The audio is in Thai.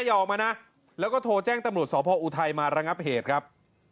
อย่าออกมานะแล้วก็โทรแจ้งตำรวจสพออุทัยมาระงับเหตุครับ